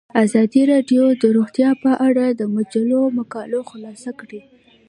ازادي راډیو د روغتیا په اړه د مجلو مقالو خلاصه کړې.